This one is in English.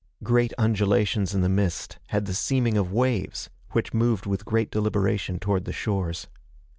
Great undulations in the mist had the seeming of waves, which moved with great deliberation toward the shores.